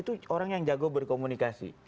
itu orang yang jago berkomunikasi